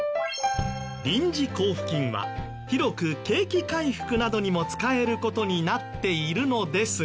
臨時交付金は広く景気回復などにも使える事になっているのですが。